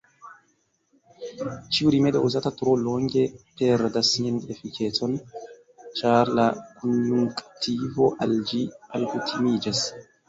Ĉiu rimedo, uzata tro longe, perdas sian efikecon, ĉar la konjunktivo al ĝi alkutimiĝas.